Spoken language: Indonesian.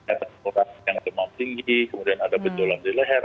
efek penularan yang kemampu tinggi kemudian ada penjualan di leher